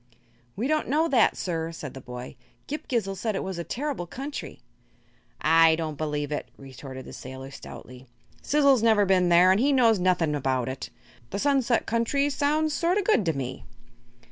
"We don't know that, sir," said the boy. "Ghip Ghisizzle said it was a terrible country." "I don't believe it," retorted the sailor, stoutly. "Sizzle's never been there, an' he knows nothing about it. 'The Sunset Country' sounds sort o' good to me."